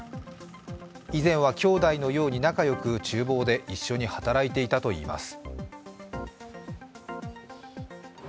以前は兄弟のように仲良くちゅう房で一緒に働いていたといいます。